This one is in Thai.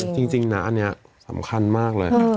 จริงนะอันนี้สำคัญมากเลย